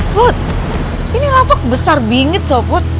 put ini lapak besar bingit so put